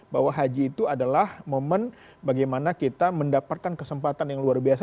bahwa haji itu adalah momen bagaimana kita mendapatkan kesempatan yang luar biasa